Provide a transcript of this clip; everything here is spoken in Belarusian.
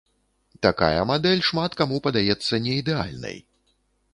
Такая мадэль шмат каму падаецца не ідэальнай.